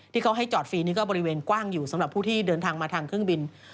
ที่เขาให้จอดฟรีนี่ก็บริเวณกว้างอยู่สำหรับผู้ที่เดินทางมาทางเครื่องบิน